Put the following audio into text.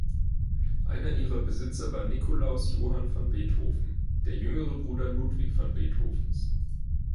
Einer ihrer Besitzer war "Nikolaus Johann van Beethoven", der jüngere Bruder Ludwig van Beethovens.